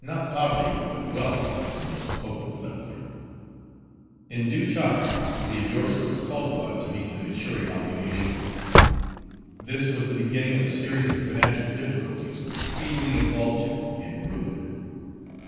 Not poverty, but wealth, is the most potent leveler. In due time the indorser was called upon to meet the maturing obligation. This was the beginning of a series of financial difficulties which speedily involved him in ruin.